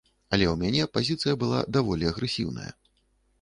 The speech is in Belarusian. Але ў мяне пазіцыя была даволі агрэсіўная.